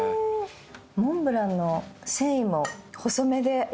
モンブランの繊維も細めで。